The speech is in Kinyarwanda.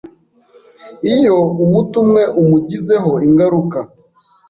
iyo umuti umwe umugizeho ingaruka,